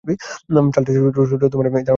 চার্লসের সূত্রে এই ধারণাটি ব্যবহৃত হয়েছে।